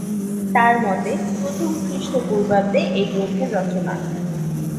তার মতে প্রথম খ্রিস্টপূর্বাব্দে এই গ্রন্থের রচনা।